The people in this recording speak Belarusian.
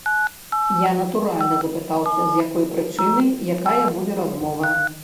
Я, натуральна, запытаўся, з якой прычыны, якая будзе размова.